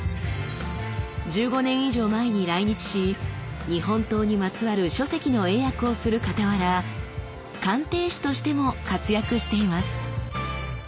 １５年以上前に来日し日本刀にまつわる書籍の英訳をするかたわら鑑定士としても活躍しています。